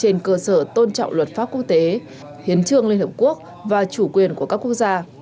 trên cơ sở tôn trọng luật pháp quốc tế hiến trương liên hợp quốc và chủ quyền của các quốc gia